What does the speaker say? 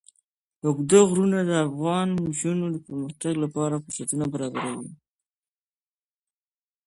اوږده غرونه د افغان نجونو د پرمختګ لپاره فرصتونه برابروي.